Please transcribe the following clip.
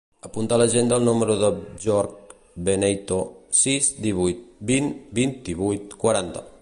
Apunta a l'agenda el número del Bjorn Beneyto: sis, divuit, vint, vint-i-vuit, quaranta.